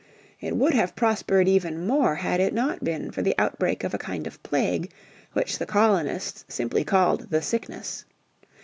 It would have prospered even more had it not been for the outbreak of a kind of plague, which the colonists simply called "the sickness."